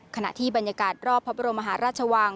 ขณะที่บรรยากาศรอบพระบรมมหาราชวัง